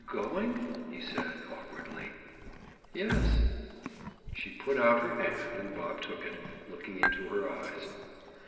"Going?" he said awkwardly. "Yes." She put out her hand and Bob took it, looking into her eyes.